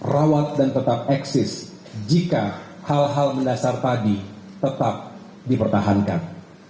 rawat dan tetap eksis jika hal hal mendasar tadi tetap dipertahankan